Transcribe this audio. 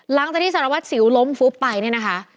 หลังจากที่สารวัตรสิวล้มฟุบไปเนี่ยนะคะ